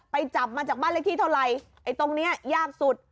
จับมาจากบ้านเลขที่เท่าไหร่ไอ้ตรงเนี้ยยากสุด